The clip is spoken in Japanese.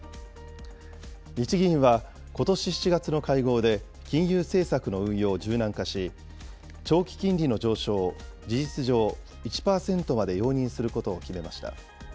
日銀はことし７月の会合で、金融政策の運用を柔軟化し、長期金利の上昇を事実上、１％まで容認することを決めました。